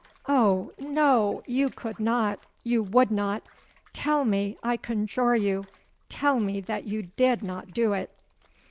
Oh! no—you could not—you would not! Tell me—I conjure you,—tell me that you did not do it!'